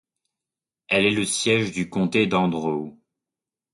Elle est le siège du comté d'Andrew.